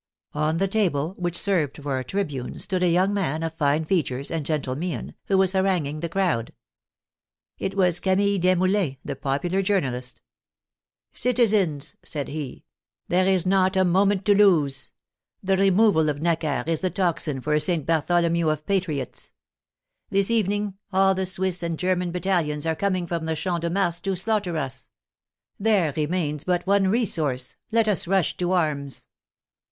On the table, which served for a tribune, stood a young man, of fine features and gentle mien, who was haranguing the crowd. It was Camille Desmoulins, the popular journalist. " Citizens," said he, " there is not a moment to lose ! The removal of Necker is the tocsin for a St. Bartholomew of patriots ! This evening, all the Swiss and German battalions are coming from the Champ de Mars to slaughter us ! There THE OPENING IN PARIS 13 remains but one resource ; let us rush to arms